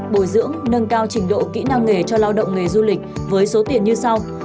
bồi dưỡng nâng cao trình độ kỹ năng nghề cho lao động nghề du lịch với số tiền như sau